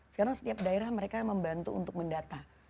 sekarang setiap daerah mereka membantu untuk mendata